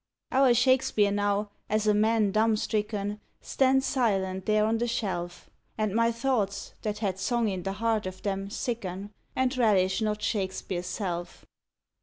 Our Shakespeare now, as a man dumb stricken, Stands silent there on the shelf: And my thoughts, that had song in the heart of them, sicken, And relish not Shakespeare's self.